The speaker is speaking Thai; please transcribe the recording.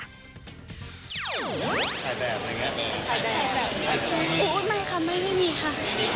ถ่ายแบบไงครับถ่ายแบบไงครับอุ๊ยไม่ค่ะไม่ไม่มีค่ะ